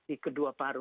di kedua paru